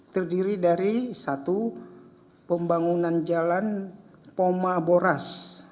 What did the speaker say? terdiri dari satu pembangunan jalan poma boras